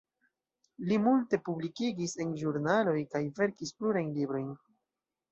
Li multe publikigis en ĵurnaloj, kaj verkis plurajn librojn.